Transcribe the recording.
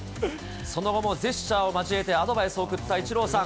その後もジェスチャーを交えてを送ったイチローさん。